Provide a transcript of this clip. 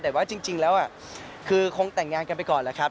แต่ว่าจริงแล้วคือคงแต่งงานกันไปก่อนแหละครับ